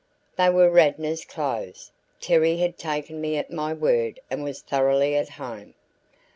They were Radnor's clothes Terry had taken me at my word and was thoroughly at home.